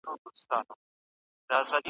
د کورنۍ سره وخت تېرول مهم دي.